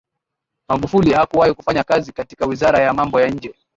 Magufuli hakuwahi kufanya kazi katika wizara ya mambo ya nje